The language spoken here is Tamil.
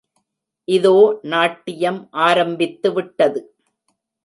இதோ நாட்டியம் ஆரம்பித்துவிட்டது.